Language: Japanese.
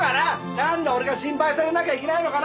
なんで俺が心配されなきゃいけないのかな。